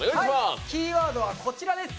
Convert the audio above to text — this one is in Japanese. キーワードはこちらです。